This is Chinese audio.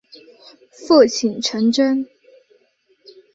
父亲陈贞。